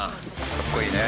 かっこいいね。